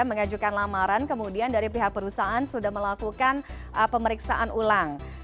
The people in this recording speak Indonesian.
mengajukan lamaran kemudian dari pihak perusahaan sudah melakukan pemeriksaan ulang